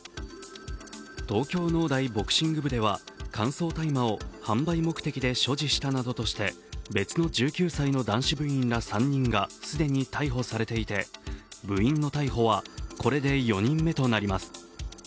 東京農大ボクシング部では乾燥大麻を販売目的で所持したなどとして別の１９歳の男子部員ら３人が既に逮捕されていて部員の逮捕はこれで４人目となります。